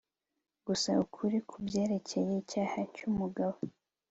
gusa ukuri ku byerekeye icyaha cy'umugabo